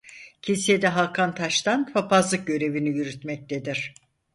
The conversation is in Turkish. Kilisede Hakan Taştan papazlık görevini yürütmektedir.